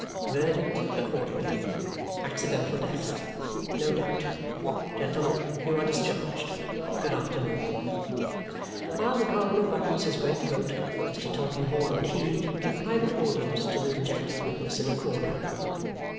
Verdict accordingly. Accidental death. No doubt. Gentlemen, you are discharged. Good afternoon. While the coroner buttons his great coat, Mr. Tulkinghorn and he give private audience to the rejected witness in a corner.